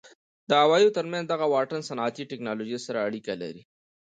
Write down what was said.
د عوایدو ترمنځ دغه واټن صنعتي ټکنالوژۍ سره اړیکه لري.